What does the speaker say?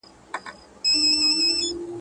پس له وخته به روان وو كږه غاړه.